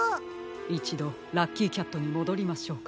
いちどラッキーキャットにもどりましょうか。